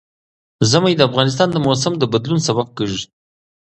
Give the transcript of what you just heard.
ژمی د افغانستان د موسم د بدلون سبب کېږي.